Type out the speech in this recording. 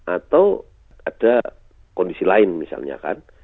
atau ada kondisi lain misalnya kan